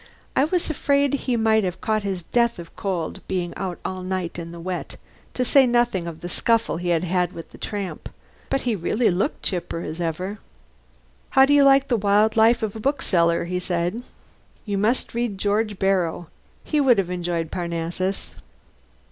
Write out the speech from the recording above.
I was afraid he might have caught his death of cold from being out all night in the wet, to say nothing of the scuffle he had had with the tramp; but he really looked as chipper as ever. "How do you like the wild life of a bookseller?" he said. "You must read George Borrow. He would have enjoyed Parnassus."